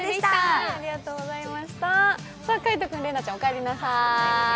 海音君、麗菜ちゃん、お帰りなさい。